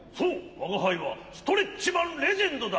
わがはいはストレッチマン・レジェンドだ！